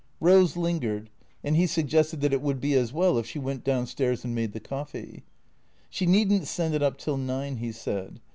Eose lingered, and he suggested that it would be as well if she went down stairs and made the coffee. She need n't send it up till nine, he said.